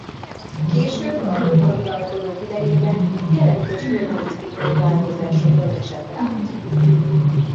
Később a Bourbon uralkodók idejében jelentős urbanisztikai változásokon esett át.